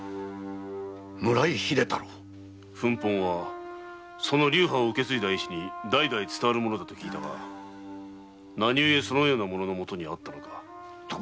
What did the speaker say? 村井秀太郎粉本はその流派を受け継ぐ絵師に代々伝わるものと聞いたが何ゆえそのような者のもとにあったのか？